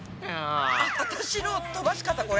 私の飛ばし方これ。